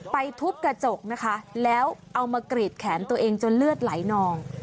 ทุบกระจกนะคะแล้วเอามากรีดแขนตัวเองจนเลือดไหลนอง